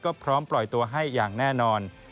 ก็พร้อมปล่อยตัวให้อย่างแน่นอน